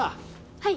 はい。